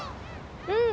うん。